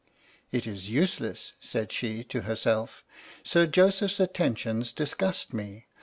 " It is useless," said she to herself; "Sir Joseph's attentions disgust me.